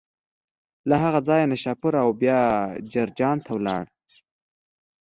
له هغه ځایه نشاپور او بیا جرجان ته ولاړ.